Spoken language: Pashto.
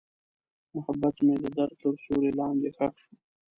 محبت مې د درد تر سیوري لاندې ښخ شو.